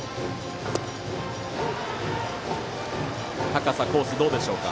高さ、コースどうですか。